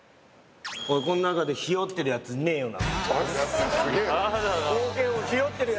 おい、この中でひよってるやついねえよな？